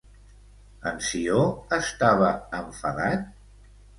En Ció estava enfadat?